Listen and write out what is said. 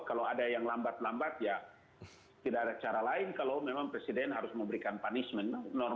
kalau ada yang lambat lambat ya tidak ada cara lain kalau memang presiden harus memberikan punishment